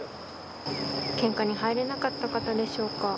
献花に入れなかった方でしょうか。